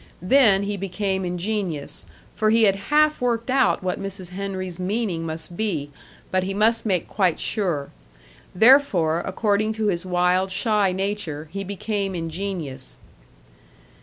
Then he became ingenious, for he had half worked out what Mrs. Henry's meaning must be; but he must make quite sure. Therefore, according to his wild, shy nature, he became ingenious.